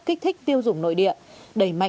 kích thích tiêu dùng nội địa